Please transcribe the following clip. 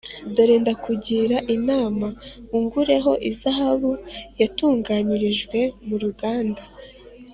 Dore ndakugira inama: ungureho izahabu yatunganirijwe mu ruganda